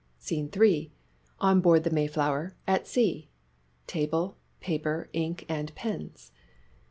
SCENE III. " ON BOARD THE ' MAYFLOWER ' AT SEA." Table, paper, ink and pens.